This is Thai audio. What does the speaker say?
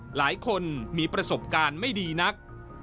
หลายคนมีประสบการณ์ไม่ดีนัก